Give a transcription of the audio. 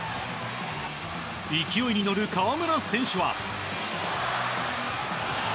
勢いに乗る河村選手は。